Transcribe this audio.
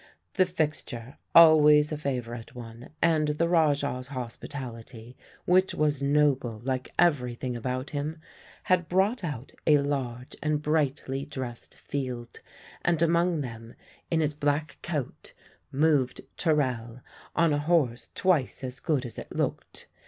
The fixture, always a favourite one, and the Rajah's hospitality which was noble, like everything about him had brought out a large and brightly dressed field; and among them, in his black coat, moved Terrell on a horse twice as good as it looked.